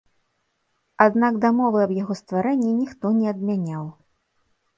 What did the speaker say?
Аднак дамовы аб яго стварэнні ніхто не адмяняў.